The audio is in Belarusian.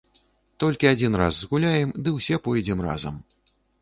Толькі адзін раз згуляем, ды ўсе пойдзем разам.